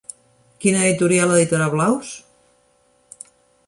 Quina editorial editarà Blaus?